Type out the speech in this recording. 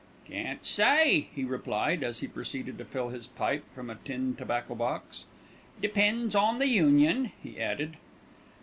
"Can't say," he replied, as he proceeded to fill his pipe from a tin tobacco box. "Depends on the Union," he added.